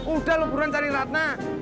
udah lu buruan cari ratna